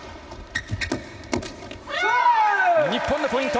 日本のポイント。